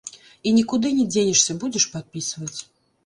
І нікуды не дзенешся, будзеш падпісваць.